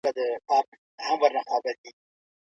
دوی د ټولني له پاره ښه پلان جوړ کړ.